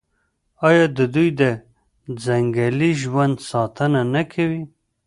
آیا دوی د ځنګلي ژوند ساتنه نه کوي؟